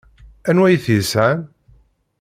Anwa i t-yesƐan?